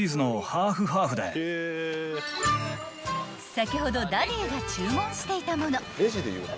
［先ほどダディが注文していたもの］